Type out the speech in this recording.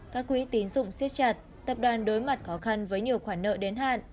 các quỹ tín dụng siết chặt tập đoàn đối mặt khó khăn với nhiều khoản nợ đến hạn